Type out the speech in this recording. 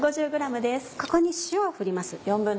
ここに塩を振ります。